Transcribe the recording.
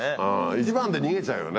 一番で逃げちゃうよね。